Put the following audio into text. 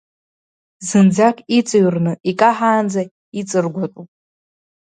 Зынӡак иҵыҩрны икаҳаанӡа иҵыргәатәуп.